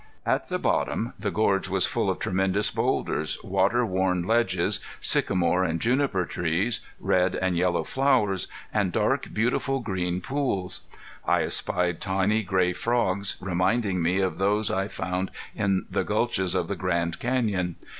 At the bottom the gorge was full of tremendous boulders, water worn ledges, sycamore and juniper trees, red and yellow flowers, and dark, beautiful green pools. I espied tiny gray frogs, reminding me of those I found in the gulches of the Grand Canyon.